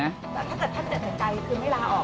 แต่ถ้าเจอใกล่คือไม่ลาออก